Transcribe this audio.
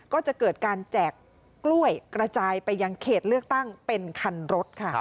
ก็จะเกิดการแจกกล้วยกระจายไปยังเขตเลือกตั้งเป็นคันรถค่ะ